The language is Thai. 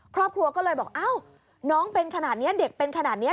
ครอบครัวก็เลยบอกอ้าวน้องเป็นขนาดนี้เด็กเป็นขนาดนี้